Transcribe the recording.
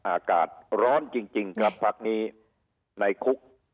อากาศร้อนจริงจากภาคนี้ในคุก